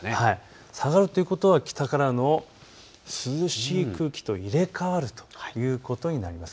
下がるということは北からの涼しい空気と入れ替わるということになります。